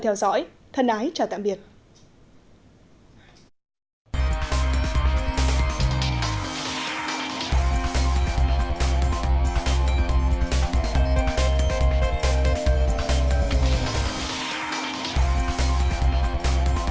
thân ái chào tạm biệt